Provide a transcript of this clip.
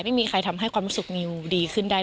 ไม่มีใครทำให้ความรู้สึกนิวดีขึ้นได้